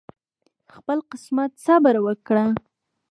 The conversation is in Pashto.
خپل قسمت صبر وکړه